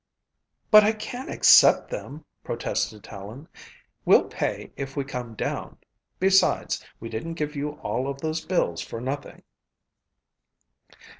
"But I can't accept them," protested Helen. "We'll pay if we come down. Besides, we didn't give you all of those bills for nothing."